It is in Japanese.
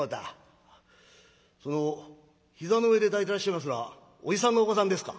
「その膝の上で抱いてらっしゃいますのはおじさんのお子さんですか？」。